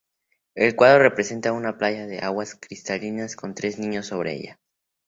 El cuadro representa una playa de aguas cristalinas, con tres niños sobre ella.